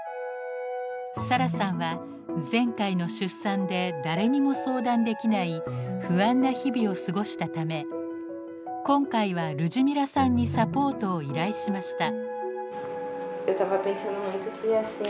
サラさんは前回の出産で誰にも相談できない不安な日々を過ごしたため今回はルジミラさんにサポートを依頼しました。